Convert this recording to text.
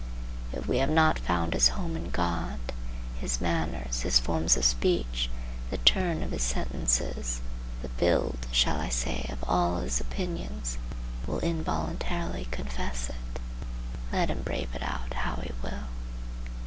If he have not found his home in God, his manners, his forms of speech, the turn of his sentences, the build, shall I say, of all his opinions will involuntarily confess it, let him brave it out how he will.